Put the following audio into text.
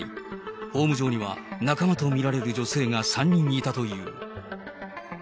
ホーム上には仲間と見られる女性が３人いたという。